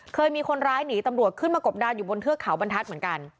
เคยมีคนร้ายหนีตำรวจขึ้นมากบดานอยู่บนเทือกเขาบรรทัศน์เหมือนกัน